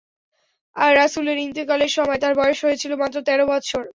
আর রাসূলের ইন্তেকালের সময় তাঁর বয়স হয়েছিল মাত্র তের বৎসর।